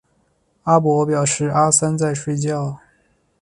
阿伯表示阿三在睡觉